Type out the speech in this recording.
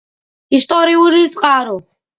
ისტორიული წყარო